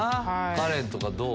カレンとかどう？